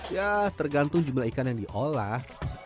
ya tergantung jumlah ikan yang diolah